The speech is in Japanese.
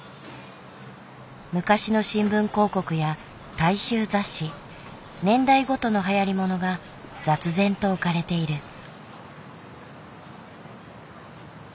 昔の新聞広告や大衆雑誌年代ごとのはやりものが雑然と置かれている。